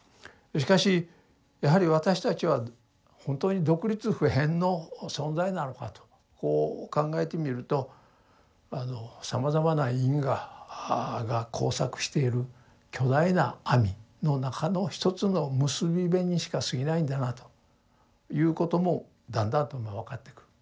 しかしやはり私たちは本当に独立不変の存在なのかとこう考えてみるとさまざまな因果が交錯している巨大な網の中の一つの結び目にしかすぎないんだなということもだんだんとまあ分かってくる。